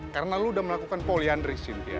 karena lo udah melakukan poliandri cynthia